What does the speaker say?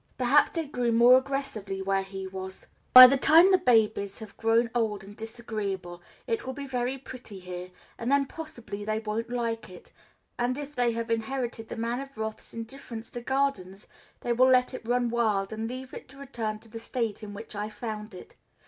Perhaps they grew more aggressively where he was. By the time the babies have grown old and disagreeable it will be very pretty here, and then possibly they won't like it; and, if they have inherited the Man of Wrath's indifference to gardens, they will let it run wild and leave it to return to the state in which I found it.